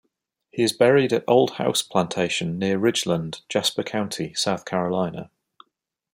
He is buried at Old House Plantation near Ridgeland, Jasper County, South Carolina.